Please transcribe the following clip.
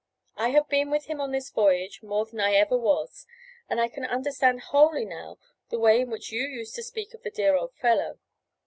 I have been with him on this voyage more than I ever was, and I can understand wholly now the way in which you used to speak of the dear old fellow.